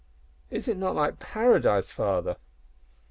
"Is it not like paradise, father?"